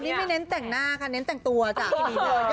เตาทองปะเนี่ย